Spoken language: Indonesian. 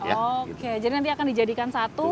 oke jadi nanti akan dijadikan satu